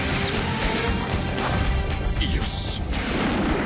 よし！